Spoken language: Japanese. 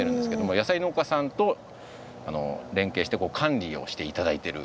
野菜農家さんと連携して管理をして頂いてる圃場になります。